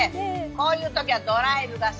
こういう時はドライブが最高。